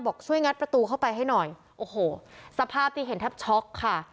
ช่วยงัดประตูเข้าไปให้หน่อยโอ้โหสภาพที่เห็นแทบช็อกค่ะ